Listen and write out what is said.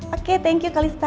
oke thank you kalista